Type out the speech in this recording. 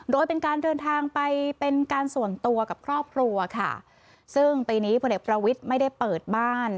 โดยเป็นการเดินทางไปเป็นการส่วนตัวกับครอบครัวค่ะซึ่งปีนี้พลเอกประวิทย์ไม่ได้เปิดบ้าน